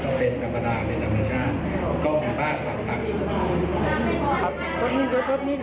ก็เป็นกรรมดาเป็นธรรมชาติก็คือภาคภักดิ์ครับกดนิ้นกดนิ้น